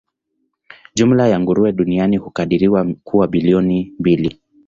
Jumla ya nguruwe duniani hukadiriwa kuwa bilioni mbili.